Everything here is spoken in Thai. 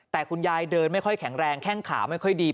แต่คุณยายเดินไม่ค่อยแข็งแรงแข้งขาไม่ค่อยดี